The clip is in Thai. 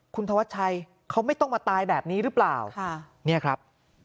คุณธวัชชัยเขาไม่ต้องมาตายแบบนี้หรือเปล่าค่ะเนี่ยครับ